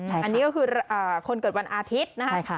อันนี้ก็คือคนเกิดวันอาทิตย์นะคะ